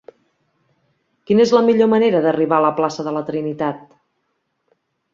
Quina és la millor manera d'arribar a la plaça de la Trinitat?